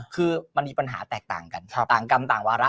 คือมันมีปัญหาแตกต่างกันต่างกรรมต่างวาระ